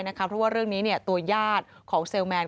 เพราะว่าเรื่องนี้ตัวญาติของเซลแมน